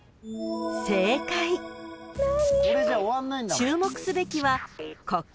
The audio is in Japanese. ［注目すべきはここ］